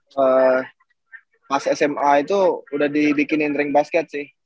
pas sma itu udah dibikinin ring basket sih